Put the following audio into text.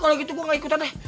kalau gitu gue gak ikutan deh